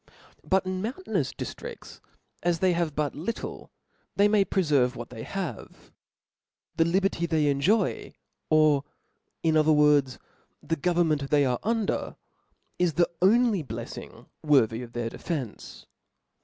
But in mountainous diftrifts, as they have but little, they may preferve what they have. Thef liberty they enjoy, or in other words, the govern ment they are under, is the only bleffing worthy of their defence.